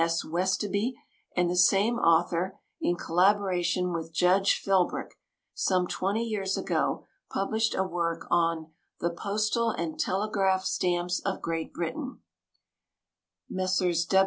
S. Westoby, and the same author, in collaboration with Judge Philbrick, some twenty years ago published a work on The Postal and Telegraph Stamps of Great Britain. Messrs.